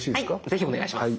ぜひお願いします。